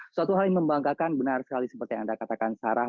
suatu hal yang membanggakan benar sekali seperti yang anda katakan sarah